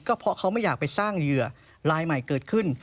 เพราะเขาไม่อยากไปสร้างเหยื่อลายใหม่เกิดขึ้น